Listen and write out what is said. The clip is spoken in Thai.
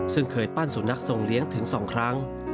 ซึ่งเคยปั้นสุนัขทรงเลี้ยงถึง๒ครั้ง